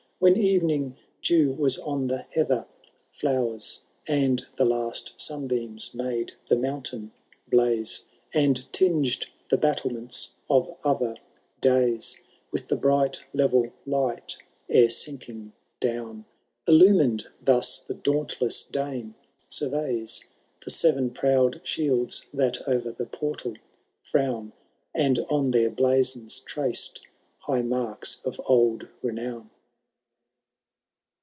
When erening dew was on the heather flowers, And the last sunbeams made the mountain blase. And tinged the battlements of other days With the bright level light ere sinking down.— Illumined thus, the dauntless Dane surveys The Seven Proud Shields that o'er the portal frown, And on their blazons traced high marks of old renown.